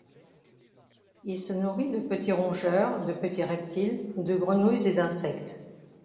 Il se nourrit de petits rongeurs, de petits reptiles, de grenouilles et d'insectes.